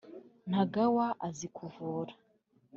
ntagawa azi kuvura